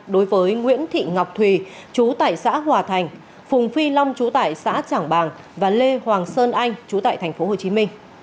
đối với nguyễn thị ngọc thùy chú tại xã hòa thành phùng phi long chú tải xã trảng bàng và lê hoàng sơn anh chú tại tp hcm